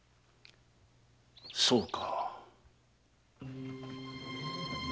そうか。